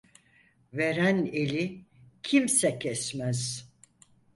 Veren eli kimse kesmez.